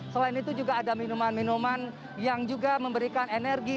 selain itu juga ada minuman minuman yang juga memberikan energi